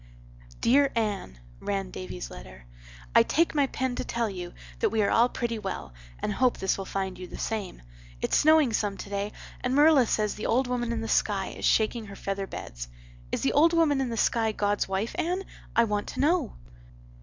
"Dear Anne," ran Davy's letter, "I take my pen to tell you that we are all pretty well and hope this will find you the same. It's snowing some today and Marilla says the old woman in the sky is shaking her feather beds. Is the old woman in the sky God's wife, Anne? I want to know.